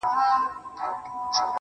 پوره اته دانې سمعان ويلي كړل.